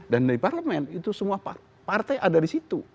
dan dari parlemen itu semua partai ada di situ